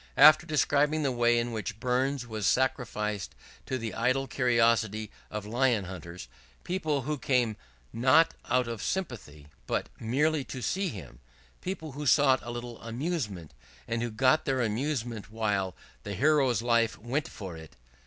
After describing the way in which Burns was sacrificed to the idle curiosity of Lion hunters people who came not out of sympathy, but merely to see him people who sought a little amusement, and who got their amusement while "the Hero's life went for it!"